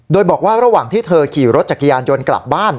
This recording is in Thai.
โดยบอกว่าระหว่างที่เธอขี่รถจักรยานยนต์กลับบ้าน